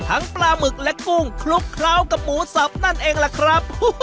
ปลาหมึกและกุ้งคลุกเคล้ากับหมูสับนั่นเองล่ะครับ